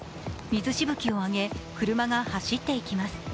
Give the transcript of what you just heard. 水しぶきを上げ車が走っていきます。